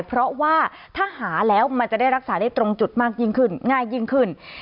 เพราะว่าถ้าหาแล้วมันจะได้รักษาได้ตรงจุดมากยิ่งขึ้นง่ายยิ่งขึ้น